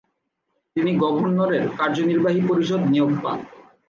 তিনি গভর্নরের কার্যনির্বাহী পরিষদ নিয়োগ পান।